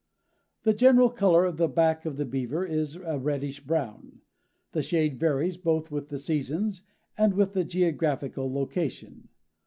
The general color of the back of the Beaver is a reddish brown. The shade varies both with the seasons and with the geographical location.